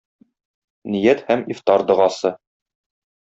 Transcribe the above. Ният һәм ифтар догасы.